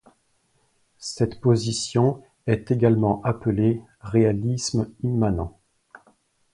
Cette position est également appelée réalisme immanent.